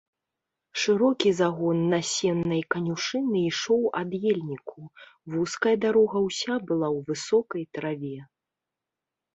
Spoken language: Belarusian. Шырокі загон насеннай канюшыны ішоў ад ельніку, вузкая дарога ўся была ў высокай траве.